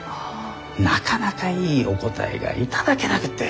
なかなかいいお答えが頂けなくって。